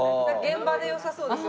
現場で良さそうですよね。